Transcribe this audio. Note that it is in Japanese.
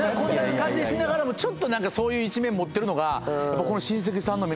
こんな感じしながらもちょっと何かそういう一面持ってるのが。